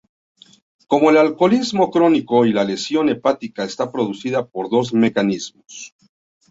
Como el alcoholismo crónico y la lesión hepática está producida por dos mecanismos.